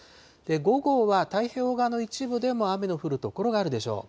午後は太平洋側の一部でも雨の降る所があるでしょう。